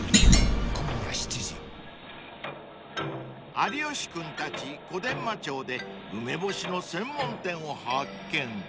［有吉君たち小伝馬町で梅干しの専門店を発見］